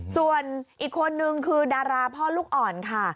ส่วนอีกคนนึงคือดาราพ่อลูกอ่อนค่ะ